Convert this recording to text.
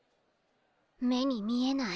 目に見えない